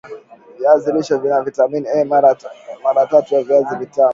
viazi lishe vina vitamin A mara tatu ya viazi vitamu